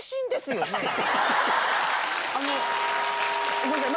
ごめんなさい